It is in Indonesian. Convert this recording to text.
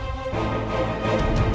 aku akan menang